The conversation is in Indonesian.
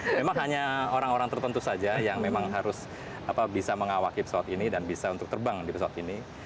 memang hanya orang orang tertentu saja yang memang harus bisa mengawaki pesawat ini dan bisa untuk terbang di pesawat ini